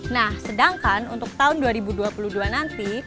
nah sedangkan untuk tahun dua ribu dua puluh dua nanti